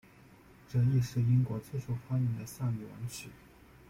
这亦是英国最受欢迎的丧礼挽曲。